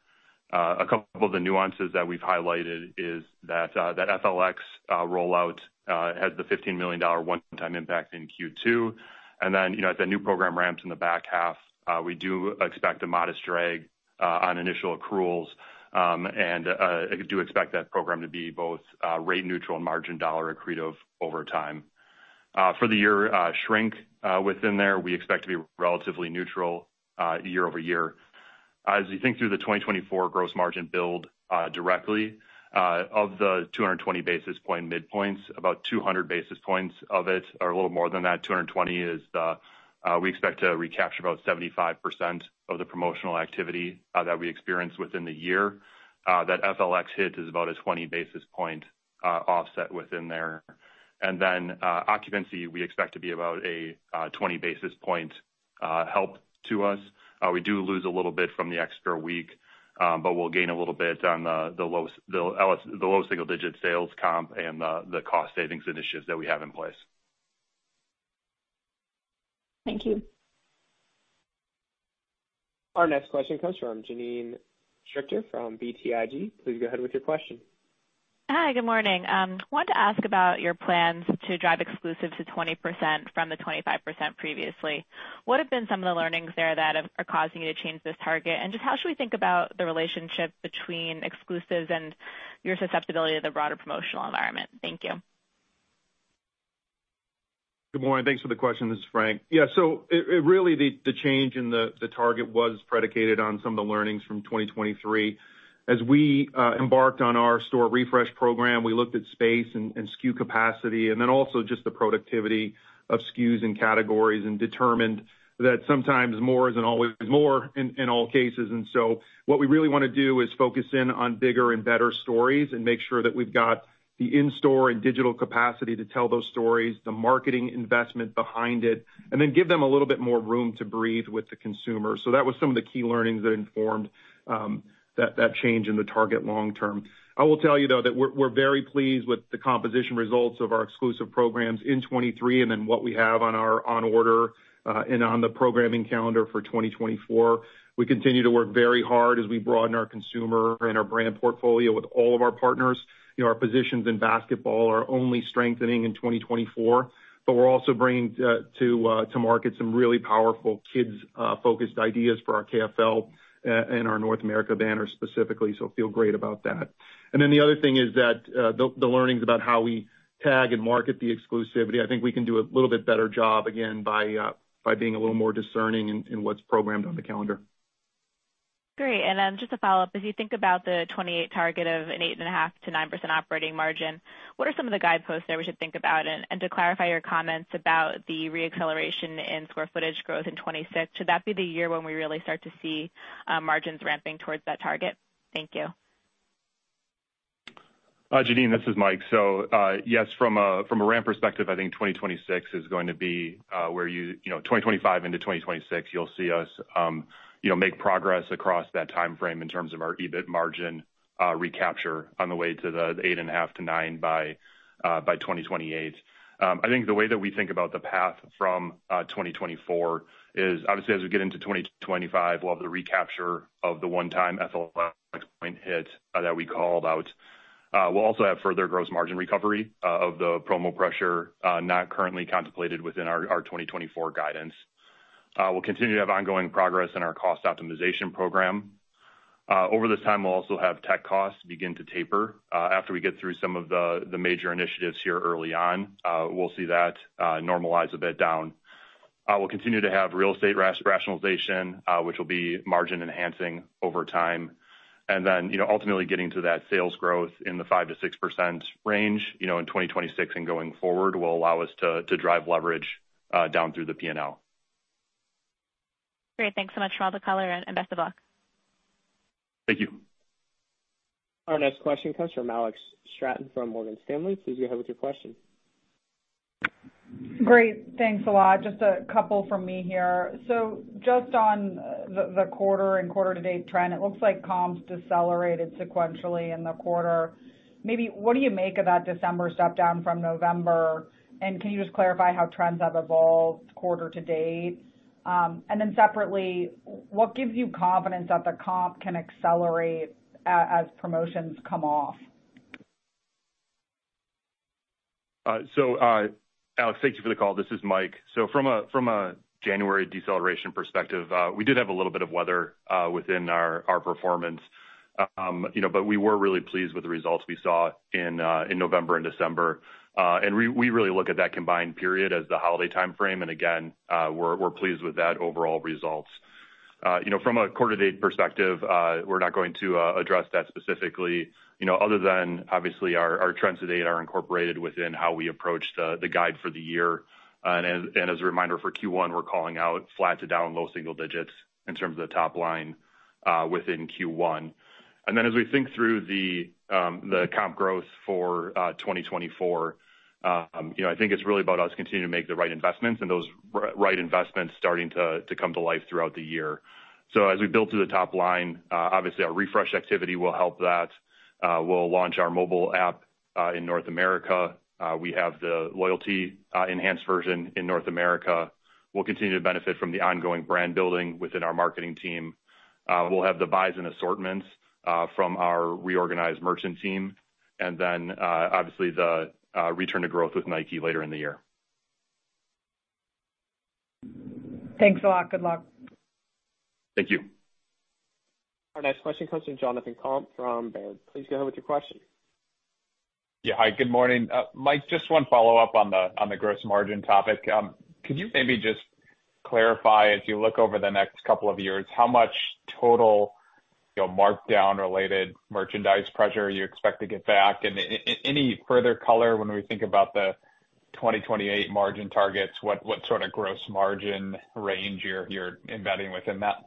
A couple of the nuances that we've highlighted is that FLX rollout has the $15 million one-time impact in Q2. And then as that new program ramps in the back half, we do expect a modest drag on initial accruals and do expect that program to be both rate neutral and margin dollar accretive over time. For the year shrink within there, we expect to be relatively neutral year over year. As you think through the 2024 gross margin build directly, of the 220 basis point midpoints, about 200 basis points of it, or a little more than that, 220 is the we expect to recapture about 75% of the promotional activity that we experience within the year. That FLX hit is about a 20 basis point offset within there. And then occupancy, we expect to be about a 20 basis point help to us. We do lose a little bit from the extra week, but we'll gain a little bit on the low single-digit sales comp and the cost savings initiatives that we have in place. Thank you. Our next question comes from Janine Stichter from BTIG. Please go ahead with your question. Hi. Good morning. Wanted to ask about your plans to drive exclusives to 20% from the 25% previously. What have been some of the learnings there that are causing you to change this target? And just how should we think about the relationship between exclusives and your susceptibility to the broader promotional environment? Thank you. Good morning. Thanks for the question. This is Frank. Yeah. So, really, the change in the target was predicated on some of the learnings from 2023. As we embarked on our store refresh program, we looked at space and SKU capacity and then also just the productivity of SKUs and categories and determined that sometimes more isn't always more in all cases. So, what we really want to do is focus in on bigger and better stories and make sure that we've got the in-store and digital capacity to tell those stories, the marketing investment behind it, and then give them a little bit more room to breathe with the consumer. So, that was some of the key learnings that informed that change in the target long term. I will tell you, though, that we're very pleased with the comps results of our exclusive programs in 2023 and then what we have on order and on the programming calendar for 2024. We continue to work very hard as we broaden our consumer and our brand portfolio with all of our partners. Our positions in basketball are only strengthening in 2024, but we're also bringing to market some really powerful kids-focused ideas for our KFL and our North America banner specifically. So, feel great about that. And then the other thing is that the learnings about how we tag and market the exclusivity, I think we can do a little bit better job again by being a little more discerning in what's programmed on the calendar. Great. And then just to follow up, as you think about the 2028 target of an 8.5%-9% operating margin, what are some of the guideposts there we should think about? To clarify your comments about the re-acceleration in sq ft growth in 2026, should that be the year when we really start to see margins ramping towards that target? Thank you. Janine, this is Mike. So yes, from a ramp perspective, I think 2026 is going to be where you 2025 into 2026, you'll see us make progress across that time frame in terms of our EBIT margin recapture on the way to the 8.5%-9% by 2028. I think the way that we think about the path from 2024 is obviously, as we get into 2025, we'll have the recapture of the one-time FLX point hit that we called out. We'll also have further gross margin recovery of the promo pressure not currently contemplated within our 2024 guidance. We'll continue to have ongoing progress in our cost optimization program. Over this time, we'll also have tech costs begin to taper. After we get through some of the major initiatives here early on, we'll see that normalize a bit down. We'll continue to have real estate rationalization, which will be margin enhancing over time. And then ultimately getting to that sales growth in the 5%-6% range in 2026 and going forward will allow us to drive leverage down through the P&L. Great. Thanks so much, for all the color and best of luck. Thank you. Our next question comes from Alex Straton from Morgan Stanley. Please go ahead with your question. Great. Thanks a lot. Just a couple from me here. So just on the quarter- and quarter-to-date trend, it looks like comps decelerated sequentially in the quarter. Maybe what do you make of that December step down from November? Can you just clarify how trends have evolved quarter-to-date? And then separately, what gives you confidence that the comp can accelerate as promotions come off? So Alex, thank you for the call. This is Mike. From a January deceleration perspective, we did have a little bit of weather within our performance, but we were really pleased with the results we saw in November and December. We really look at that combined period as the holiday time frame. Again, we're pleased with that overall results. From a quarter-to-date perspective, we're not going to address that specifically. Other than obviously, our trends to date are incorporated within how we approach the guide for the year. As a reminder for Q1, we're calling out flat to down low single digits in terms of the top line within Q1. And then as we think through the comp growth for 2024, I think it's really about us continuing to make the right investments and those right investments starting to come to life throughout the year. So as we build through the top line, obviously, our refresh activity will help that. We'll launch our mobile app in North America. We have the loyalty enhanced version in North America. We'll continue to benefit from the ongoing brand building within our marketing team. We'll have the buys and assortments from our reorganized merchant team. And then obviously, the return to growth with Nike later in the year. Thanks a lot. Good luck. Thank you. Our next question comes from Jonathan Komp from Baird. Please go ahead with your question. Yeah. Hi. Good morning. Mike, just one follow-up on the gross margin topic. Could you maybe just clarify as you look over the next couple of years, how much total markdown-related merchandise pressure you expect to get back? And any further color when we think about the 2028 margin targets, what sort of gross margin range you're embedding within that?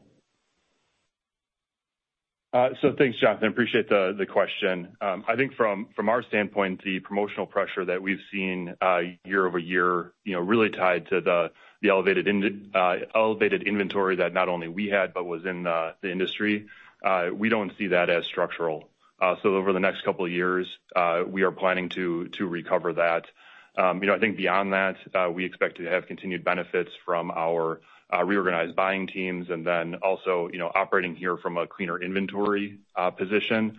So thanks, Jonathan. Appreciate the question. I think from our standpoint, the promotional pressure that we've seen year-over-year really tied to the elevated inventory that not only we had but was in the industry. We don't see that as structural. So over the next couple of years, we are planning to recover that. I think beyond that, we expect to have continued benefits from our reorganized buying teams. And then also operating here from a cleaner inventory position,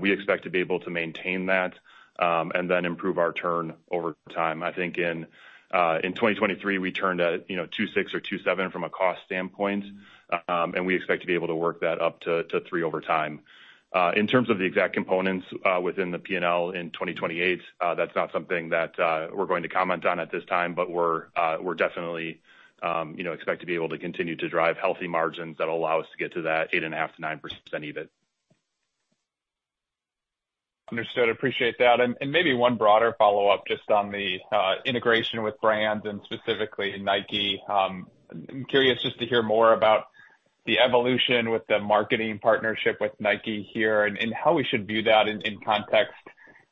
we expect to be able to maintain that and then improve our turn over time. I think in 2023, we turned at 26 or 27 from a cost standpoint. We expect to be able to work that up to 3 over time. In terms of the exact components within the P&L in 2028, that's not something that we're going to comment on at this time, but we're definitely expect to be able to continue to drive healthy margins that will allow us to get to that 8.5%-9% EBIT. Understood. Appreciate that. Maybe one broader follow-up just on the integration with brands and specifically Nike. I'm curious just to hear more about the evolution with the marketing partnership with Nike here and how we should view that in context.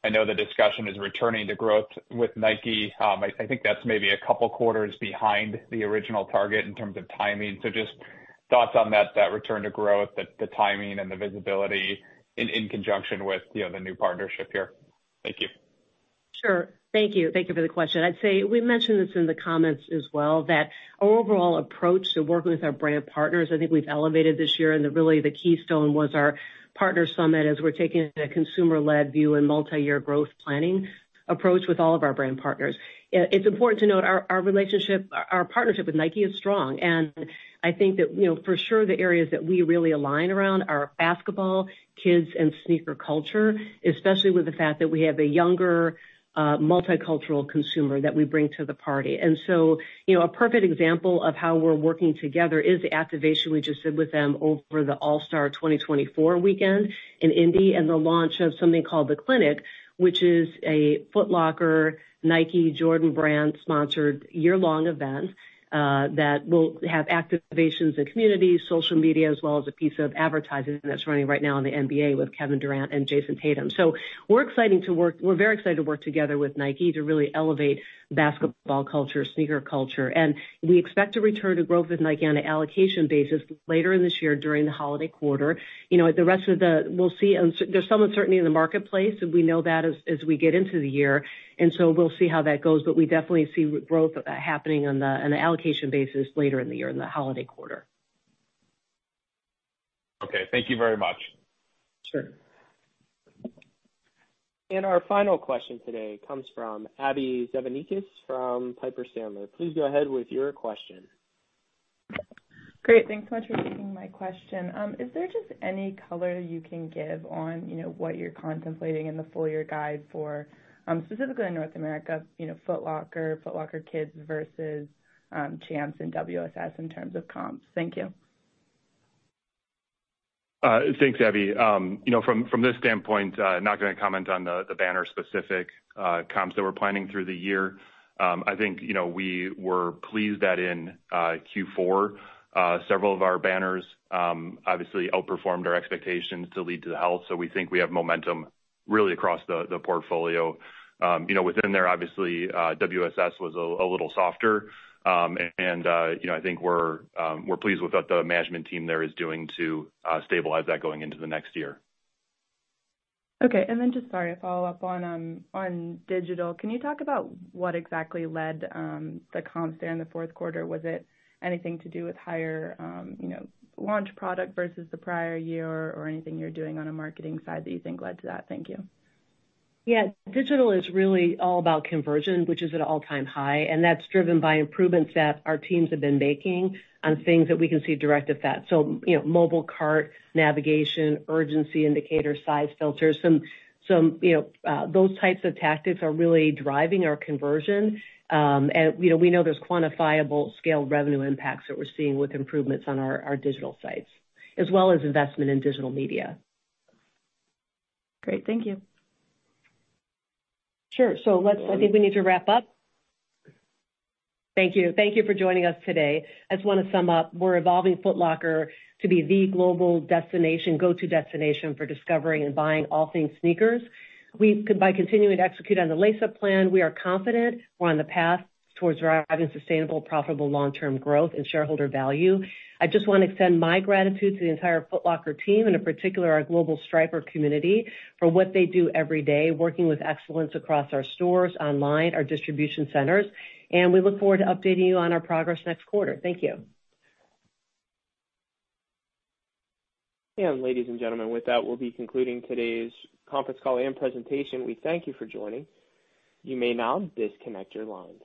I know the discussion is returning to growth with Nike. I think that's maybe a couple of quarters behind the original target in terms of timing. So, just thoughts on that return to growth, the timing, and the visibility in conjunction with the new partnership here. Thank you. Sure. Thank you. Thank you for the question. I'd say we mentioned this in the comments as well, that our overall approach to working with our brand partners. I think we've elevated this year. And really, the keystone was our partner summit as we're taking a consumer-led view and multi-year growth planning approach with all of our brand partners. It's important to note our partnership with Nike is strong. And I think that for sure, the areas that we really align around are basketball, kids, and sneaker culture, especially with the fact that we have a younger multicultural consumer that we bring to the party. So a perfect example of how we're working together is the activation we just did with them over the All-Star 2024 weekend in Indy and the launch of something called The Clinic, which is a Foot Locker, Nike, Jordan Brand-sponsored year-long event that will have activations in communities, social media, as well as a piece of advertising that's running right now in the NBA with Kevin Durant and Jayson Tatum. So we're very excited to work together with Nike to really elevate basketball culture, sneaker culture. And we expect to return to growth with Nike on an allocation basis later in this year during the holiday quarter. The rest of the year, we'll see. There's some uncertainty in the marketplace. We know that as we get into the year. And so we'll see how that goes. We definitely see growth happening on the allocation basis later in the year in the holiday quarter. Okay. Thank you very much. Sure. Our final question today comes from Abbie Zvejnieks from Piper Sandler. Please go ahead with your question. Great. Thanks so much for taking my question. Is there just any color you can give on what you're contemplating in the full-year guide for specifically in North America, Foot Locker, Kids Foot Locker versus Champs and WSS in terms of comps? Thank you. Thanks, Abby. From this standpoint, not going to comment on the banner-specific comps that we're planning through the year. I think we were pleased that in Q4, several of our banners obviously outperformed our expectations to lead to the health. We think we have momentum really across the portfolio. Within there, obviously, WSS was a little softer. I think we're pleased with what the management team there is doing to stabilize that going into the next year. Okay. Then, just, sorry to follow up on digital. Can you talk about what exactly led the comps there in the fourth quarter? Was it anything to do with higher launch product versus the prior year or anything you're doing on a marketing side that you think led to that? Thank you. Yeah. Digital is really all about conversion, which is at an all-time high. And that's driven by improvements that our teams have been making on things that we can see direct effect. So mobile cart, navigation, urgency indicator, size filters, some of those types of tactics are really driving our conversion. And we know there's quantifiable scale revenue impacts that we're seeing with improvements on our digital sites as well as investment in digital media. Great. Thank you. Sure. So, I think we need to wrap up. Thank you. Thank you for joining us today. I just want to sum up. We're evolving Foot Locker to be the global destination, go-to destination for discovering and buying all-things sneakers. By continuing to execute on the Lace Up plan, we are confident we're on the path towards driving sustainable, profitable, long-term growth and shareholder value. I just want to extend my gratitude to the entire Foot Locker team and in particular, our global Striper community for what they do every day, working with excellence across our stores, online, our distribution centers. And we look forward to updating you on our progress next quarter. Thank you. Ladies and gentlemen, with that, we'll be concluding today's conference call and presentation. We thank you for joining. You may now disconnect your line.